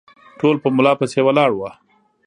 ټول په ملا پسې ولاړ وه